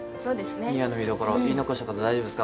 ２話の見どころは言い残したこと大丈夫ですか？